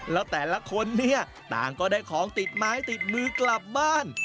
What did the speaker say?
แล้วแต่ละคนเนี่ยต่างก็ได้ของติดไม้ติดมือกลับบ้าน